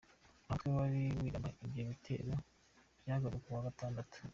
Nta mutwe wari wigamba ibyo bitero byagabwe kuwa Gatandatu.